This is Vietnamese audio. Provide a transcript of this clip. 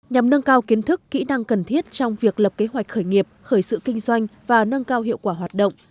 nhằm nâng cao kiến thức kỹ năng cần thiết trong việc lập kế hoạch khởi nghiệp khởi sự kinh doanh và nâng cao hiệu quả hoạt động